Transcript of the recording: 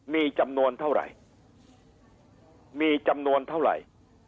มีจำนวนเท่าไร